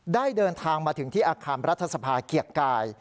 เดินทางมาถึงที่อาคารรัฐสภาเกียรติกาย